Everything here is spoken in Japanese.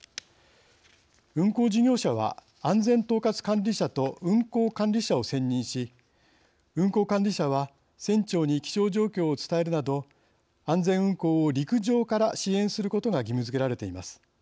運航事業者は安全統括管理者と運航管理者を選任し運航管理者は船長に気象状況を伝えるなど安全運航を陸上から支援することが義務づけられています。